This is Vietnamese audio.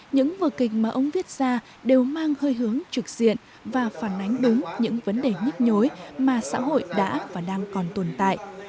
những vở kịch mà ông viết ra đều mang hơi hướng trực diện và phản ánh đúng những vấn đề nhức nhối mà xã hội đã và đang còn tồn tại